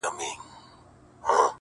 نه پنډت ووهلم، نه راهب فتواء ورکړه خو,